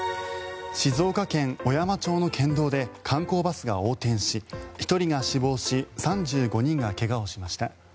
静岡県小山町の県道で観光バスが横転し１人が死亡し３５人が怪我をしました。